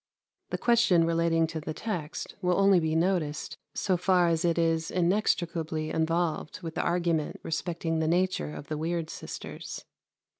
The question relating to the text will only be noticed so far as it is inextricably involved with the argument respecting the nature of the weird sisters.